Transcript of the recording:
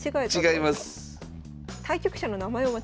違います。